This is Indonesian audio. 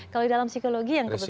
kalau di dalam psikologi yang kebetulan